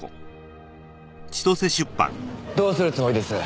どうするつもりです？